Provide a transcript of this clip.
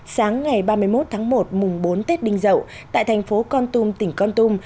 sáng ngày ba mươi một tháng một mùng bốn tết đinh dậu tại thành phố con tum tỉnh con tum